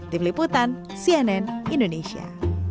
tim liputan cnn indonesia